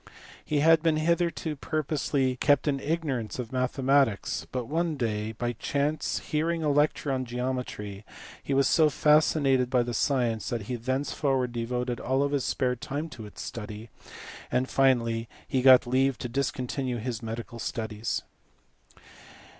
He had been hitherto purposely kept in ignorance of mathematics, but one day, by chance hearing a lecture on geometry, he was so fascinated by the science that he thenceforward devoted all his spare time to its study, and finally he got leave to discontinue his medical studies.